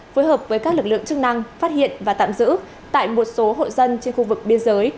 phối hợp với các lực lượng chức năng phát hiện và tạm giữ tại một số hộ dân trên khu vực biên giới